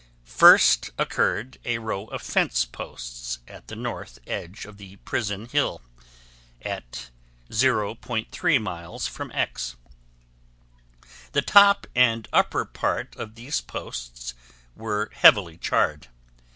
First occurred a row of fence posts at the north edge of the prison hill, at 0.3 miles from X. The top and upper part of these posts were heavily charred.